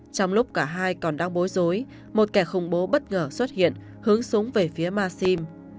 trong lúc cả hai còn đang bối rối một kẻ khủng bố bất ngờ xuất hiện hướng súng về phía ma sim